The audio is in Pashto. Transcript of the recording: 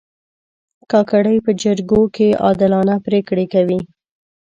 کاکړي په جرګو کې عادلانه پرېکړې کوي.